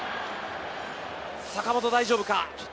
坂本大丈夫か。